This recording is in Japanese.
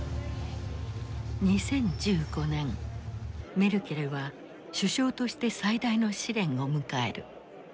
メルケルは首相として最大の試練を迎える。